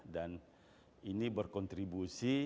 dan ini berkontribusi